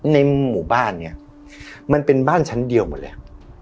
ในหมู่บ้านเนี่ยมันเป็นบ้านชั้นเดียวหมดเลย